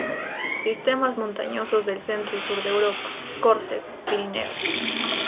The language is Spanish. Sistemas montañosos del centro y sur de Europa, Córcega, Pirineos.